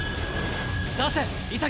出せ潔！